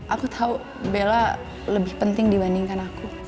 aku tahu bella lebih penting dibandingkan aku